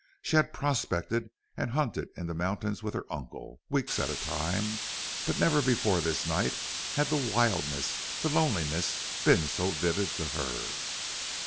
She had prospected and hunted in the mountains with her uncle, weeks at a time. But never before this night had the wildness, the loneliness, been so vivid to her.